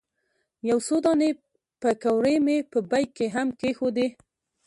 یو څو دانې پیکورې مې په بیک کې هم کېښودې.